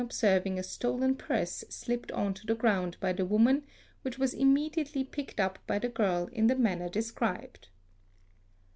700 THEFT observing a stolen purse slipped on to the ground by the woman which was immediately picked up by the girl in the manner described.